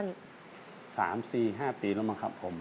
๓๔๕ปีเพียบออก